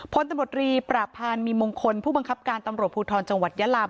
พนตรรรสีประพานย์มีมงคลผู้บังคับการตำรวจภูทรจังหวัดยะลาภ